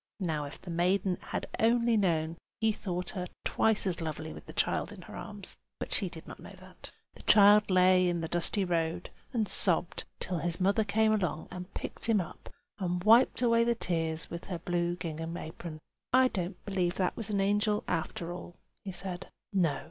(Now if the maiden had only known, he thought her twice as lovely with the child in her arms; but she did not know.) The child lay in the dusty road and sobbed, till his mother came along and picked him up, and wiped away the tears with her blue gingham apron. "I don't believe that was an angel, after all," he said. "No!"